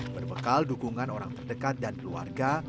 berbekal dukungan orang terdekat dan keluarga